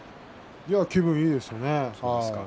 気分はいいですよね。